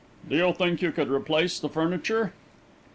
"Do you think you could replace the furniture?"